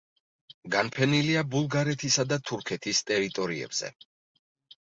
განფენილია ბულგარეთისა და თურქეთის ტერიტორიებზე.